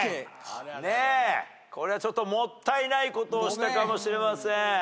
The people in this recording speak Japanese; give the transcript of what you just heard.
これはもったいないことをしたかもしれません。